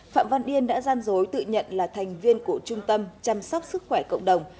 phạm văn yên đã gian dối tự nhận là thành viên của trung tâm chăm sóc sức khỏe cộng đồng